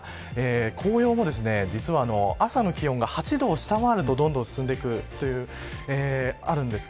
紅葉も朝の気温が８度を下回るとどんどん進んでいくということがあります。